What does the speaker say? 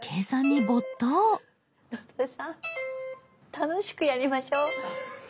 楽しくやりましょう。